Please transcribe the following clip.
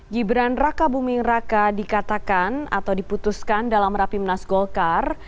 gibran raka buming raka dikatakan atau diputuskan dalam rapimnas golkar